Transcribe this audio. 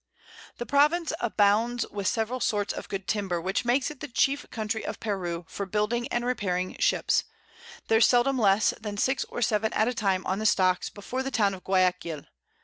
The Province abounds with several sorts of good Timber, which makes it the chief Country of Peru for building and repairing Ships; there's seldom less than 6 or 7 at a time on the Stocks before the Town of Guiaquil.